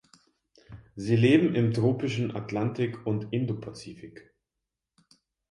Sie leben im tropischen Atlantik und Indopazifik.